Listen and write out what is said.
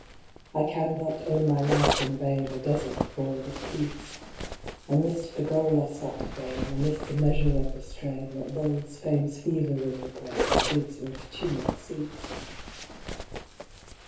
I can but own my life is vain A desert void of peace ; 126 INFELIX. I missed the goal I sought to gain, I missed the measure of the strain That lulls Fame s fever in the brain, And bids Earth s tumult cease.